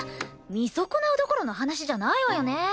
見損なうどころの話じゃないわよね。